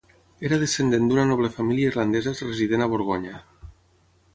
Era descendent d'una noble família irlandesa resident a Borgonya.